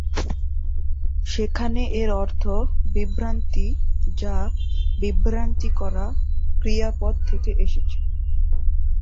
সেখানে এর অর্থ "বিভ্রান্তি", যা "বিভ্রান্তি করা" ক্রিয়াপদ থেকে এসেছে।